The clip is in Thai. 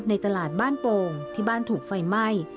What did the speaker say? ในตลาดบ้านโป่งที่บ้านถูกไฟไหม้